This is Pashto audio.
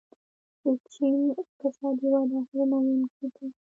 د چین اقتصادي وده حیرانوونکې ده.